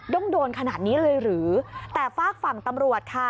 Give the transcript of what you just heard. ต้องโดนขนาดนี้เลยหรือแต่ฝากฝั่งตำรวจค่ะ